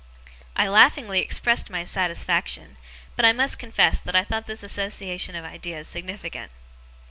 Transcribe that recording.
I laughingly expressed my satisfaction, but I must confess that I thought this association of ideas significant.